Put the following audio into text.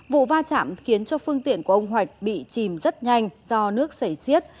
vụ va chạm khiến cho phương tiện của ông hoạch bị chìm rất nhanh do nước xảy xiết